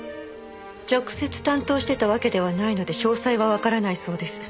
直接担当してたわけではないので詳細はわからないそうです。